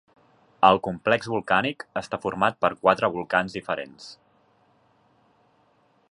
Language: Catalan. El complex volcànic està format per quatre volcans diferents.